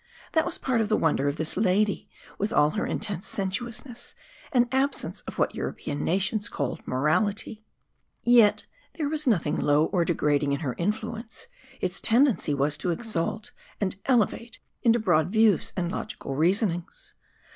That was part of the wonder of this lady, with all her intense sensuousness and absence of what European nations call morality; there was yet nothing low or degrading in her influence, its tendency was to exalt and elevate into broad views and logical reasonings.